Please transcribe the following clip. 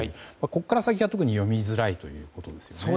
ここから先が特に読みづらいということですよね。